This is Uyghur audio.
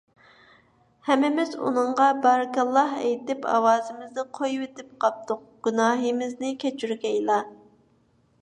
ھەممىمىز ئۇنىڭغا بارىكاللاھ ئېيتىپ، ئاۋازىمىزنى قويۇۋېتىپ قاپتۇق. گۇناھىمىزنى كەچۈرگەيلا!